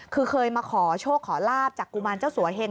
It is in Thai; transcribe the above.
คือเคยมาขอโชคขอลาบจากกุมารเจ้าสัวเห็ง